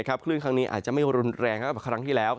ขึ้นครั้งนี้อาจจะไม่แรงกว่ากว่าครั้งที่แล้ว